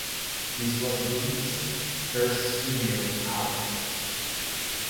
This was Bleach's first studio album.